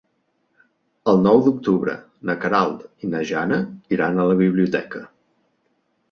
El nou d'octubre na Queralt i na Jana iran a la biblioteca.